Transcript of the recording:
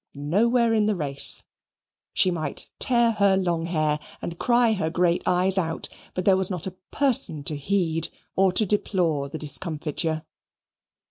Nowhere in the race. She might tear her long hair and cry her great eyes out, but there was not a person to heed or to deplore the discomfiture.